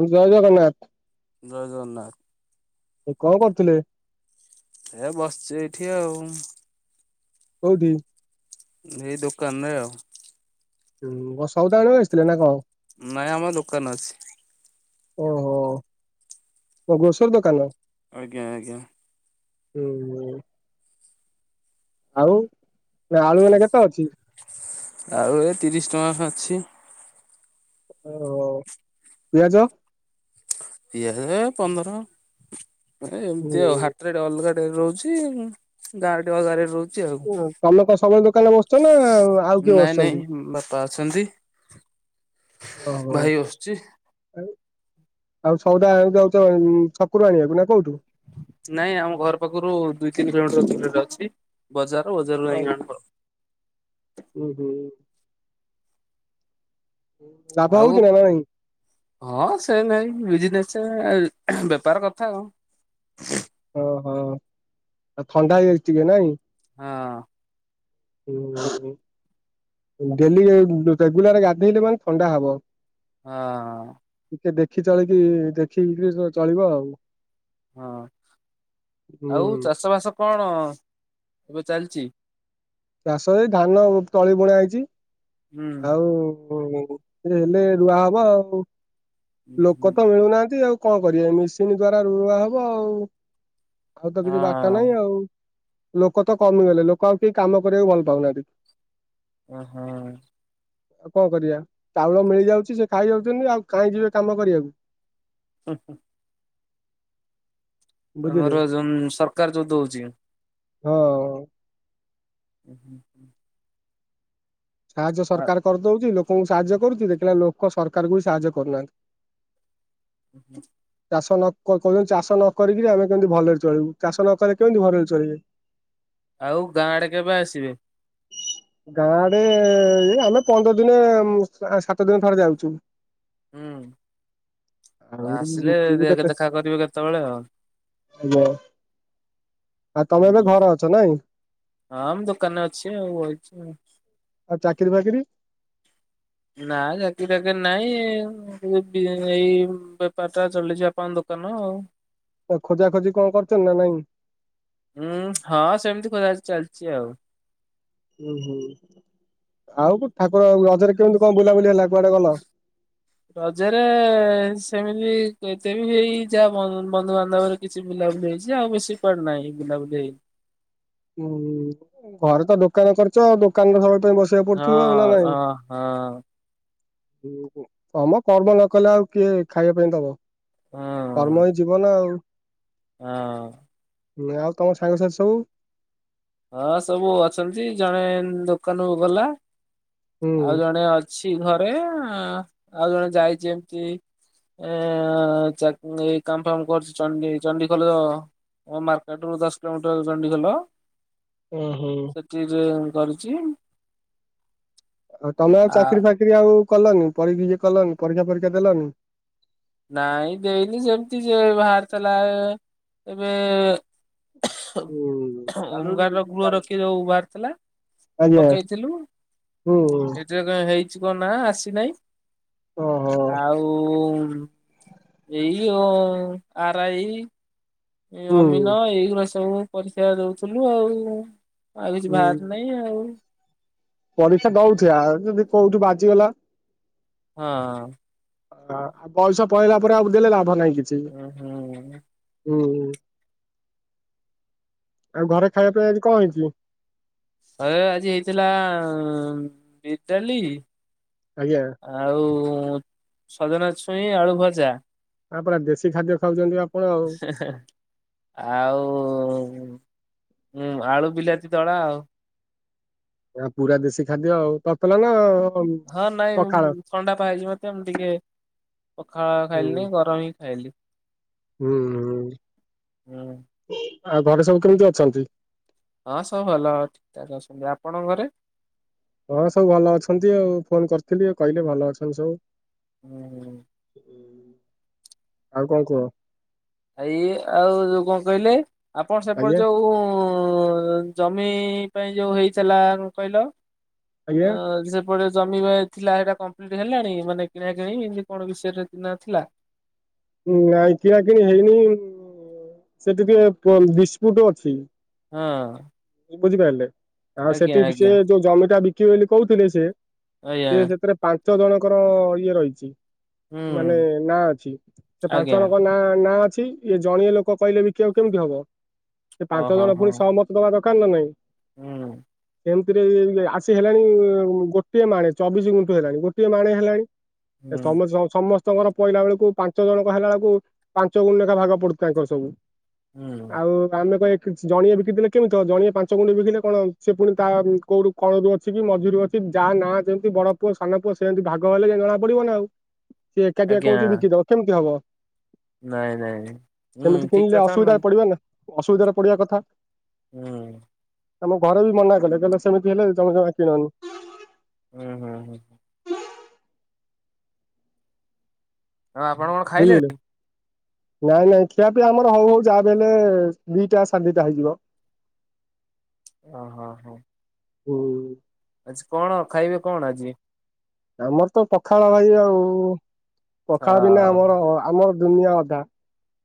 ଉଁ [inaudible] ଜୟ ଜଗନ୍ନାଥ। ଜୟ ଜଗନ୍ନାଥ। ଏ କଣ କରୁଥିଲେ? ଏ ବସିଚ ଏଇଠି ଆଉ। କଉଠି? ଏଇ ଦୋକାନରେ ଆଉ। ହୁଁ କଣ ସଉଦା ଆଣିବେକୁ ଆସିଥିଲେ ନା କଣ? ନାଇଁ ଆମ ଦୋକାନ ଅଛି। ଓହୋ କ ଗ୍ରୋସରି ଦୋକାନ? ଆଜ୍ଞା ଆଜ୍ଞା। ହୁଁ। ଆଉ ଏ ଆଳୁ ଏଇନା କେତେ ଅଛି? ଆଉ ଏଇ ତିରିଶ ଟଙ୍କା ଅଛି। ଓହୋ ପିଆଜ? ପିଆଜ ପନ୍ଦର ଏ ହୁଁ ଏମିତି ଆଉ ହାଟ ଟେ ଅଲଗା ଟାଇପ ରହୁଚି। ଗାଁ ଡି ଅଲଗା ରେ ରହୁ ଉଁ ତମେ କଣ ସବଳେ ଦୋକାନରେ ବସିଚ ନା ଆଉ କିଏ ନାଇଁ ନାଇଁ ବସିଚନ୍ତି? ବାପା ଅଛନ୍ତି। ଭାଇ ବଶ୍ଚି। ଆ ଆଉ ସଉଦା ଆଣିକୁ ଯାଉଚ ଛକୁରୁ ଆଣିବାକୁ ନା କୋଉଠୁ? ନାଇଁ ଆମ ଘର ପାଖରୁ ଦୁଇ ତିନି କିଲୋମିଟର ଦୂରରେ ଅଛି ବଜାର। ବଜାରରୁ ଯାଇ ଆଣୁ ଆଉ। ଉଁ ହୁଁ। ଲାଭ ଆଉ ହଉଚି ନା ନା ନାଇଁ? ହଁ ସେ ନାଇଁ ବିଜନେସ ବେପାର କଥା ଆଉ। ଓହୋ ଆଉ ଥଣ୍ଡା ହେଇଯାଇଚି ଟିକେ ନାଇଁ। ହଁ। ଡେଲି ରେଗୁଲାର ଗାଧେଇଲି ମାନେ ଥଣ୍ଡା ହବ। ହଁ। ଟିକେ ଦେଖି ଚଳିକି ଦେଖିକିରି ଚଳିବ ଆଉ। ହଁ ଆଉ ହୁଁ ଚାଷ ବାସ କଣ ଏବେ ଚାଲିଛି? ଚାଷ ହେ ଧାନ ତଳି ବୁଣା ହେଇଛି ହୁଁ ଆଉ ହେଲେ ରୁଆ ହବ ଆଉ ଲୋକ ତ ମିଳୁନାହାନ୍ତି ଆଉ। କଣ କରିବା ମେସିନ୍ ଦ୍ଵାରା ରୁଆ ହବ ଆଉ ଆଉ ତ କିଛି ବାଟ ହଁ ନାହିଁ ଆଉ। ଲୋକ ତ କମିଗଲେ ଲୋକ ଆଉ କେହି କାମ କରିବାକୁ ଭଲ ପାଉନାହାନ୍ତି। ଓ ହଁ। ଆଉ କଣ କରିବା ଚାଉଳ ମିଳିଯାଉଛି ସେ ଖାଇଯାଉଛନ୍ତି ଆଉ କାହିଁ ଯିବେ କାମ କରିବାକୁ? ହୁଁ। ବୁଝିଲେ ଆମର ଯୋଉ ସରକାର ଯୋଉ ଦଉଛି। ହଁ। ହୁଁ ହୁଁ ହୁଁ ସାହାଯ୍ୟ ସରକାର କରିଦଉଛି ଲୋକଙ୍କୁ ସାହାଯ୍ୟ କରୁଛି ଦେଖିଲ ଲୋକ ସରକାରଙ୍କୁ ବି ସାହାଯ୍ୟ କରୁନାହାନ୍ତି। ହୁଁ ହୁଁ ଚାଷ ନ କହୁଛନ୍ତି ଚାଷ ନକରିକି ଆମେ କେମିତି ଭଲରେ ଚଳିବୁ ଚାଷ ନ କଲେ କେମିତି ଭଲରେ ଚଳିବେ? ଆଉ ଗାଁ ଆଡେ କେବେ ଆସିବେ? ଗାଁଡେ ଏ ଆମେ ପନ୍ଦର ଦିନ ସାତ ଦିନ ଥରେ ଯାଉଛୁ। ଆଉ ହୁଁ ଆସିଲେ ଦେଖ ଦେଖା କରିବେ କେତେବେଳେ ଆଉ। ହାଲୋ ଆଉ ତମେ ଏବେ ଘରେ ଅଛ ନାଇଁ। ହଁ, ମୁଁ ଦୋକାନରେ ଅଛି ଆଉ ବଇଚି। ଆଉ ଚାକିରି ଫାକିରି? ନା, ଚାକିରି ଫାକିର ନାଇଁ [unintelligible] ଏଇ ବି ବେପାର ଟା ଚଲେଇଛି ବାପାଙ୍କ ଦୋକାନ ଆଉ। ଖୋଜା ଖୋଜି କଣ କରୁଛ ନା ନାଇଁ? ଉୁଁ, ହଁ ସେମିତି ଖୋଜାଖୋଜି ଚାଲିଛି ଆଉ। ହୁଁ, ହୁଁ ଆଉ ଠାକୁର ରଜରେ କେମିତି କଣ ବୁଲାବୁଲି ହେଲା କୁଆଡେ ଗଲ? ରଜରେ, ସେମିତି ଏତେ ବି ଯାହା ବନ୍ଧୁବାନ୍ଧବରେ କିଛି ବୁଲାବୁଲି ହେଇଛି ଆଉ, ବେଶି କୁଆଡ଼େ ନାହିଁ ବୁଲାବୁଲି ହେଇ ହୁଁ ହୁଁ, ଘରେ ତ ଦୋକାନ କରିଛ, ଆଉ ଦୋକାନରେ ସବୁବେଳ ପାଇଁ ବସି ହଁ ଅ ହଁ। ହମ୍ କର୍ମ ନ କଲେ ଆଉ କିଏ ଖାଇବା ପାଇଁ ଦବ? ହଁ କର୍ମ ହିଁ ଜୀବନ ଆଉ। ହଁ। ଆଉ ତମ ସାଙ୍ଗସାଥି ସବୁ? ହଁ ସବୁ ଅଛନ୍ତି ଜଣେ ଦୋକାନରୁ ଗଲା, ଆଉ ହୁଁ ଜଣେ ଅ ଅଛି ଘରେ, ଆଉ ଜଣେ ଯାଇଛି ଏମତି ଏ ଚା ଏଇ କାମ ଫାମ କରୁଛି ଚଣ୍ଡି ଚଣ୍ଡି ଖୋଲ ମୋ ମାର୍କେଟ ରୁ ଦଶ କିଲୋମିଟର ଚଣ୍ଡି ଖୋଲ। ଉଁ, ହୁଁ। [unintelligible] କରିଛୁ। ତମେ ଆଉ ଚାକିରି ଫାକିରି ଆଉ କଲନିି କରିକି କଲନି ପରୀକ୍ଷା ଫରୀକ୍ଷା ଦେଲନି? ନାଇଁ ଦେଇନି ସେମିତି ସେ ବାହାରିଥିଲା, ଏବେ ହୁଁ। ଓମଗାର ର ଗୃହ ରଖି ଯୋଉ ବାହାରି ଥିଲା। ଆଜ୍ଞା, ହୁଁ ଉଁ। ଯେ କାଇ ହେଇଛି କଣ ନା ଆସିନାହିଁ ଓହୋ ଆଉ ଏଇ ଓ ଆରାଇ ଏ ଅମିନ ହୁଁ ଏଇଗୁଡା ସବୁ ପରୀକ୍ଷାରେ ଦଉଥିଲୁ ଆଉ ଆଉ କିଛି ବାହାରି ହୁଁ। ନାହିଁ। ଏଇ ଆଉ ପରୀକ୍ଷା ଦଉଥି ଆ ଯଦି କୋଉଠୁ ବାଜିଗଲା। ହଁ। ହଁ ବୟସ ପଳେଇଲା ପରେ ଆଉ ଦେଲେ ଲାଭ ନାହିଁ କିଛି ହୁଁ ହୁଁ। ହୁଁ ହୁଁ। ଆଉ ଘରେ ଖାୟା ପିଆ ଆଜି କଣ ହେଇଚି? ଘରେ ଆଜି ହେଇଥିଲା ବିରି ଡାଲି ଆଜ୍ଞା। ଆଉ ସଜନା ଛୁଇଁ ଆଳୁ ଭଜା। ଆ ପୁରା ଦେଶୀ ଖାଦ୍ୟ ଖାଉଚନ୍ତି ଆପ ହେଁ ହେଁ ଆଉ ଉଁ ଆଳୁ ବିଲାତି ଦଳା ଆଉ। ଏ ଆ ପୁରା ଦେଶୀ ଖାଦ୍ୟ ଆଉ ତତଲା ନା ହଁ ନାଇଁ ପଖାଳ ଥଣ୍ଡା ପା ହେଇଚି ମତେ ମୁଁ ଟିକେ ପଖାଳ ହୁଁ ଖାଇଲିନି ଗରମ ହିଁ ଖାଇଲି। ହୁଁ ହୁଁ ଆଉ ଘରେ ସବୁ କେମିତି ଅଛନ୍ତି? ହଁ ସବୁ ଭଲ ଠିକ୍ ଠାକ୍ ଅଛନ୍ତି ଆପଣଙ୍କ ଘରେ? ହଁ ସବୁ ଭଲ ଅଛନ୍ତି ଆଉ ଫୋନ କରିଥିଲି କହିଲେ ଭଲ ଅଛନ୍ତି ସବୁ। ହୁଁ। ଆଉ କଣ କୁହ? ଏଇ ଆଉ ଯୋଉ କଣ କହିଲେ, ଆପଣ ସେପଟେ ଆଜ୍ଞା ଯୋଉ ଓ ଜମି ପାଇଁ ଯୋଉ ହେଇଥିଲା କଣ କହିଲ ଆଜ୍ଞା ଅଁ ସେ ଏପଟେ ଜମି ବା ଥିଲା ହେଟା କମ୍ପ୍ଲିଟ୍ ହେଲାଣି ମାନେ କିଣା କିିଣି ଏମିତି କଣ ବିଷୟରେ ନ ଥିଲା? ନାଇଁ କିଣାକିଣି ହେଇନି ସେଠି ଟିକେ ପ ବିସ୍ପୁଟ ଅଛି। ହଁ। ବୁଝିପାରିଲେ ଆ ଆଜ୍ଞା ସେଠି ସେ ଆଜ୍ଞା ଯୋଉ ଜମିଟା ବିକିବେ ବୋଲି କହୁଥିଲେ ସେ ଆଜ୍ଞା ସିଏ ସେଥିରେ ପାଞ୍ଚ ଜଣଙ୍କର ଇଏ ରହିଚି। ମାନେ ହୁଁ। ନାଁ ଅଛି ସେ ପାଞ୍ଚ ଆଜ୍ଞା ଜଣଙ୍କ ନାଁ ନାଁ ଅଛି ଇଏ ଜଣିଏ ଲୋକ କହିଲେ ବିକିବାକୁ କେମିତି ହବ ସେ ହଁ ପାଞ୍ଚ ହଁ ଜଣ ହଁ ପୁଣି ସହମତ ଦବା ଦରକାରାନ ନା ନାଇଁ। ହୁଁ। ଏମିତିରେ ବି ଆସି ହେଲାଣି ଗୋଟିଏ ମାଣେ ଚବିଶି ଗୁଣ୍ଠୁ ହେଲାଣି ଗୋଟିଏ ମାଣେ ହେଲାଣି। ଏ ହୁଁ ସମ [unintelligible] ସମସ୍ତ ଙ୍କର ପହିଲା ବେଳକୁ ପାଞ୍ଚ ଜଣଙ୍କ ହେଲା ବେଳକୁ ପାଞ୍ଚ ଗୁଣ ଲେଖା ଭାଗ ପଡୁ ତାଙ୍କର ସବୁ। ହୁଁ। ଆଉ ଆମେ କ ଏକ ଜଣିଏ ବିକିଥିଲେ କେମିତି ଜଣିଏ ପାଞ୍ଚ ଗୁଣି ବିକିଲେ କଣ ସେ ପୁଣି ତା କୋଉଠୁ କଣରୁ ଅଛି କି ମଝରୁ ଅଛି ଯାହା ନାଁ ଯେମିତି ବଡ ପୁଅ ସାନ ପୁଅ ସେମିତି ଭାଗ ହେଲେ ଯାଇ ଜଣା ପଡିବ ନା ଆଉ ସିଏ ଏକାଠି ଆଜ୍ଞା କହୁଚି ବିକିଦବ କେମିତି ହବ? ନାଇଁ ନାଇଁ ହୁଁ ସେମିତି ଠିକ କିଣିଲେ କଥା ନା ଅସୁବିଧାରେ ପଡିବାନା ଅସୁବିଧାରେ ପଡିବା କଥା। ହୁଁ। ଆମ ଘରେ ବି ମନା କଲେ କହିଲେ ସେମିତି ହେଲେ ଜମି ଜମା କିଣନି। ଉଁ ହୁଁ। ଆଉ ଆପଣ କଣ ବୁଝିଲେ। ଖାଇଲେଣି? ନାଇଁ ନାଇଁ ଖିଆ ପିଆ ଆମର ହଉ ହଉ ଯାହା ବିହେଲେ ଦିଟା ସାଢ ଦିଟା ହେଇଯିବ। [unintelligible] ଓହୋଃ ହଁ ହଁ। ହୁଁ। ଆଜି କଣ ଖାଇବେ କଣ ଆଜି? ଆମର ତ ପଖାଳ ଭାଇ ଆଉ। ହ ପଖାଳ ବିନା ଆମର ଆମର ଦୁନିଆ ଅଧା।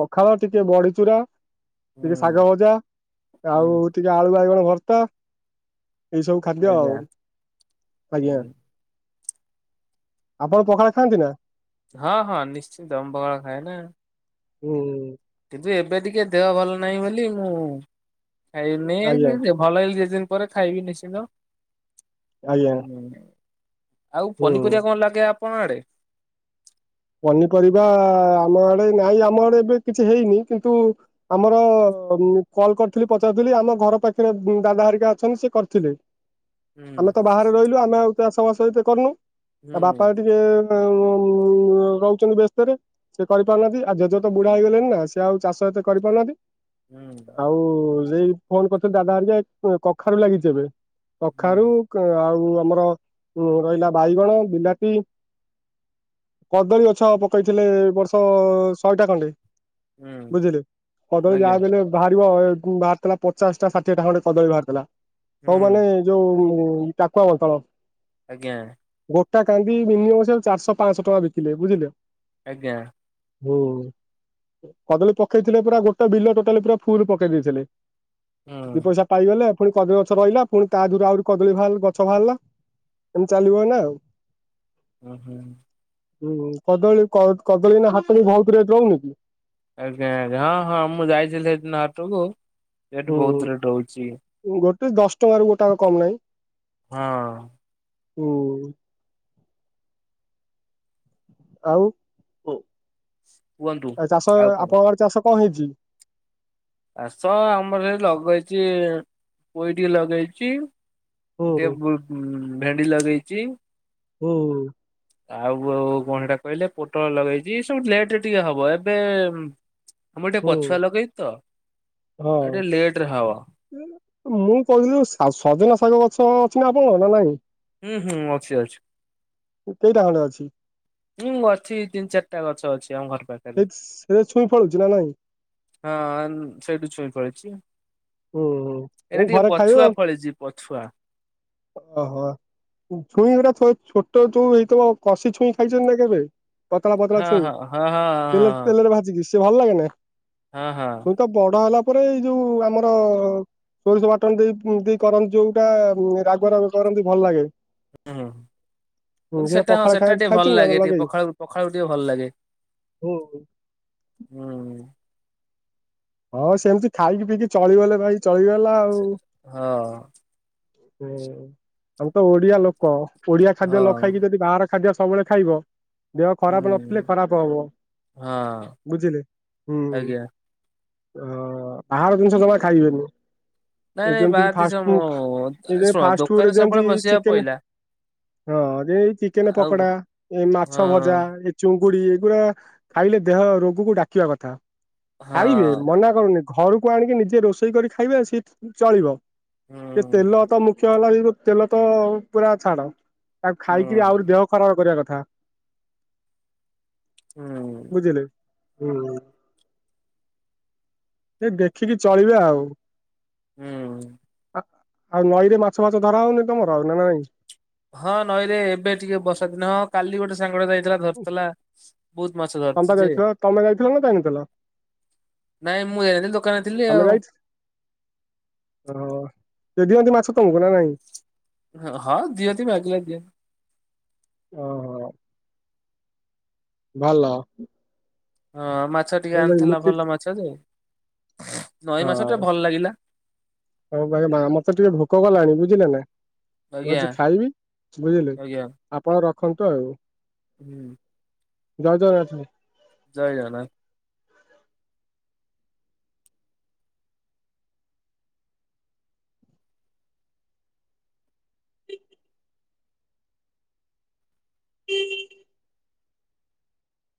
ପଖାଳ ଟିକେ ବଡ଼ିଚୁରା ଟିକେ ହୁଁ ଶାଗ ଭଜା ହୁଁ ଆଉ ଟିକେ ଆଳୁ ବାଇଗଣ ଭର୍ତ୍ତା ଏଇ ସବୁ ଖାଦ୍ୟ ଆଉ ଆଜ୍ଞା ଆଜ୍ଞା। ହୁଁ ଆପଣ ପଖାଳ ଖାଆନ୍ତି ନା? ହଁ ହଁ ନିଶ୍ଚିତ ପଖାଳ ଖାଏ ନା। ହୁଁ। କିନ୍ତୁ ଏବେ ଟିକେ ଦେହ ଭଲ ନାହିଁ ବୋଲି ମୁଁ ଖାଇନି। ଆଜ୍ଞା [unintelligible] ଭଲ ହେଇଗଲେ ଦି ଦିନ ପରେ ଖାଇବି ନିଶ୍ଚିନ୍ତ। ଆଜ୍ଞା ଆଉ ହୁଁ ପନିପରିବା କଣ ଲାଗେ ଆପଣଙ୍କ ଆଡେ? ପନିପରିବା ଆମ ଆଡ଼େ ନାଇଁ ଆମ ଆଡ଼େ ଏବେ କିଛି ହେଇନି। କିନ୍ତୁ ଆମର କଲ କରିଥିଲି ପଚାରୁଥିଲି ଆମ ଘର ପାଖରେ ଦାଦା ହେରିକା ଅଛନ୍ତି ସେ କରିଥିଲେ। ହୁଁ ଆମେ ତ ବାହାରେ ରହିଲୁ ଆମେ ଆଉ ଚାଷ ବାସ କରନୁ। ହୁଁ ଆଉ ବାପା ଯଦି। [unintelligible] ରହୁଛନ୍ତି ବ୍ୟସ୍ତରେ। ସେ କରି ପାରୁନାହାନ୍ତି। ଆଉ ଜେଜେ ତ ବୁଢା ହେଇଗଲେଣି ନା ସେ ଆଉ ଚାଷ ଏତେ କରି ପାରୁନାହାନ୍ତି। ହୁଁ ଆଉ ଏଇ ଫୋନ କରିଥିଲେ ଦାଦା ହେରିକା କଖାରୁ ଲାଗିଛି ଏବେ। ହୁଁ କଖାରୁ ଆଉ ଆମର ଉ ରହିଲା ବାଇଗଣ, ବିଲାତି। କଦଳୀ ଗଛ ପକେଇ ଥିଲେ ବର୍ଷ ଶହେଟା ଖଣ୍ଡେ। ହୁଁ ବୁଝିଲେ କଦଳୀ ଆଜ୍ଞା ଯାହାବି ହେଲେ ବାହାରିବ। ଥିଲା ପଚାଶ ଟା ଷାଠିଏ ଟା ଖଣ୍ଡେ କଦଳୀ ବାହାରି ଥିଲା। ହୁଁ ସବୁ ମାନେ ଯୋଉ କାକୁଆ ବତଳ। ଆଜ୍ଞା। ଗୋଟା କାନ୍ଧି ମିନିମମ ଚାରିଶହ- ପାଞ୍ଚଶହ ଟଙ୍କା ବିକିଲେ ବୁଝିଲେ? ଆଜ୍ଞା। ହୁଁ। କଦଳୀ ପକେଇଥିଲେ ପୁରା ଗୋଟେ ବିଲ ଟୋଟାଲି ପୁରା ଫୁଲ ପକେଇ ଦେଇଥିଲେ। ହୁଁ। ଦି ପଇସା ପାଇଗଲେ। ପୁଣି କଦଳୀ ଗଛ ରହିଲା, ପୁଣି ତା ଦେହରୁ ଆହୁରି କଦଳୀ ବାହାରି ଗଛ ବାହାରିଲା। ଏମିତି ଚାଲିବ ଏଇନା ଆଉ। ହୁଁ ହୁଁ। ହୁଁ କଦଳୀ-କଦଳୀ ଏଇନା ହାଟରେ ବହୁତ ରେଟ୍ ରହୁନି କି। ଆଜ୍ଞା ଆଜ୍ଞା। ହଁ ହଁ, ମୁଁ ଯାଇଥିଲି ସେଦିନ ହଟୋକୁ ସେଟି ହୁଁ। ବହୁତ ରେଟ୍ ହଉଚି। ଗୋଟେ ଦଶ ଟଙ୍କାରୁ ଗୋଟା କମ ନାହିଁ। ହଁ। ଉଁ। ଆଉ କୁହନ୍ତୁ ଚାଷ ଆଉ କଣ ଆପଣଙ୍କ ଆଡ଼େ ଚାଷ କଣ ହେଇଛି? ଚାଷ ଆମର ସେ ଲଗେଇଛି ପୋଇ ଟିକେ ଲଗେଇଛି। ହୁଁ ଟେକେ ଭୃ ଭେଣ୍ଡି ଲଗେଇଛି। ହୁଁ। ଆଉ ଉ କଣ ସେଟା କହିଲେ ପୋଟଳ ଲଗେଇଛି ସବୁ ଲେଟେ ଟିକେ ହବ। ଏବେ ଆମର ଟିକେ ହୁଁ ପଛୁଆ ଲଗେଇଛୁ ତ ଆଉ ହଁ। ଟିକେ ଲେଟ ରେ ହବ। ମୁଁ କହୁଥିଲି ସଜନା ଶାଗ ଗଛ ଅଛି ନା ଆପଣଙ୍କ ନା ନାଇଁ? ଉଁ ହୁଁ ଅଛି ଅଛି। କେଇଟା ଖଣ୍ଡେ ଅଛି? ଉଁ ଅଛି ତିନି ଚାରିଟା ଗଛ ଅଛି ଆମ ଘର ପାଖ। ସେଇ ସେ ଛୁଇଁ ଫଳୁଛି ନା ନାଇଁ? ହଁ ଆଁ ସେଇଠୁ ଛୁଇଁ ଫଳିଛି। ହୁଁ ହୁଁ ମୁଁ ଏଇଟା ଟିକେ ଘରେ ଖାଇବେ ପଛୁଆ ଆଉ ଫଳିଛି ପଛୁଆ। ଓହୋ। ଛୁଇଁରା ଛୁ ଛୋଟ ଛୁଇଁ ହେଇଥିବ କଷି ଛୁଇଁ ଖାଇଛନି ନା କେବେ।? ପତଳା ପତଳା ହଁ ଛୁଇଁ ହଁ ହଁ ହଁ ତେଲ ତେଲରେ ଭାଜିିକି ସେ ଭଲ ଲାଗେ ନା? ହଁ ହଁ। ମୁଁ ତ ବଡ ହେଲା ପରେ ଏଇ ଯୋଉ ଆମର ସୋରିଷ ବାଟଣ ଦେଇ ଦେଇ କରନ୍ତି ଯୋଉଟା ରାଗ ରାଗ କରନ୍ତି ଭଲ ଲାଗେ। ହୁଁ ହୁଁ। ହୁଁ କିନ୍ତୁ ସେ ସେଟା ହଁ ପଖାଳ ଖାଇ ସେଟା ଟିକେ ଭଲ ଖାଇଛନ୍ତି ନା ଲାଗେ ଟିକେ ଲଗେଇ? ପଖାଳ ପଖାଳକୁ ଟିକେ ଭଲ ଲାଗେ। ହୁଁ। ହୁଁ। ହଁ ସେମିତି ଖାଇକି ପିଇକି ଚଳିଗଲେ ଭାଇ ଚଳିଗଲା ଆଉ। ସେ- ହଁ ହୁଁ ଆମେ ତ ଓଡିଆ ଲୋକ ଓଡିଆ ଖାଦ୍ୟ ନ ହଁ ଖାଇକି ଯଦି ବାହାର ଖାଦ୍ୟ ସବୁବେଳେ ଖାଇବ। ଦେହ ଖରାପ ହୁଁ ନଥିଲେ ଖରାପ ହବ ହଁ ବୁଝିଲେ ହୁଁ। ଆଜ୍ଞା। ଓ ବାହାର ଜିନିଷ ଜମା ଖାଇବେନି। ନାଇଁ ଏ ନାଇଁ ବାହାର ଯେମତିକି ଦେଶ ଫାଷ୍ଟ ମୁଁ ଫୁଡ଼ୁ ଏଇ ଯେ ଶୁଣ ଫାଷ୍ଟ ଦୋକାନରେ ଫୁଡ଼ୁରେ ସବୁବେଳେ ଯେମିତି ବସିବାକୁ ଚିକେନ ପଇଲା ହଁ ଯେ ଏଇ ଚିକେନ ଆଉ ପକୋଡା ହଁ ଏ ମାଛ ଭଜା। ଚୁଙ୍ଗୁଡି ଏଇଗୁଡା ଖାଇଲେ ଦେହ ରୋଗକୁ ଡାକିବା କଥା। ହଁ ଖାଇବେ ମନା କରୁନି ଘରକୁ ଆଣିକି ନିଜେ ରୋଷେଇ କରି ଖାଇବେ ସେଚଳିବ। ଏ ହୁଁ ତେଲ ତ ମୁଖ୍ୟ ହେଲା ଏଇ ଯୋଉ ତେଲ ତ ପୁରା ଛାଡ। ତାକୁ ହୁଁ ଖାଇକିରି ଆହୁରି ଦେହ ଖରାପ କରିବା କଥା। ହୁଁ ବୁଝିଲେ ହଁ। ଏ ଦେଖିକି ଚଳିବେ ଆଉ। ହୁଁ। ଆଉ ନଈ ରେ ମାଛ ପାଛ ଧରା ହଉନି ତମର ଆଉ ନା ନାଇଁ? ହଁ ନଈରେ ଏବେ ଟିକେ ବର୍ଷା ଦିନ କାଲି ଗୋଟେ ସାଙ୍ଗ ଟେ ଯାଇଥିଲା ଧରିଥିଲା ବହୁତ ମାଛ ଧରିଥିଲା। ତମେପା ଯାଇଥିଲ ତମେ ଯାଇଥିଲ ନା ଜାଇନଥିଲ? ନାଇଁ ମୁଁ ଯାଇନି ଦୋକାନରେ ଥିଲି ଆଉଁ। ଓହ ସେ ଦିଅନ୍ତି ମାଛ ତମକୁ ନା ନାଇଁ? ହଁ ହଁ ଦିଅନ୍ତି ମ ମାଗିଲ ଦିଅନ୍ତି। ଓହୋ ଭଲ। ହଁ ମାଛ ଟିକେ ମୁଁ ମୁଁ ଆଣିଥିଲା ଠିକ ଭଲ ମାଛ ଯେ ନଈ ମାଛ ହଁ। ଟିକେ ଭଲ ଲାଗିଲା। ହଉ ଭାଇ ଭା ମତେ ଟିକେ ଭୋକ କଲାଣି ବୁଝିଲେ ନା। ମୁଁ ଆଜ୍ଞା ଆଜି ଖାଇବି ବୁଝିଲେ ଆଜ୍ଞା ଆପଣ ରଖନ୍ତୁ ଆଉ। ହୁଁ। ଜୟ ଜଗନା ଜୟ ଜଗନ୍ନାଥ।